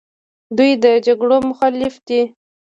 دوی د جګړو مخالف دي.